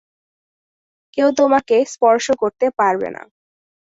কেউ তোমাকে স্পর্শ করতে পারবে না।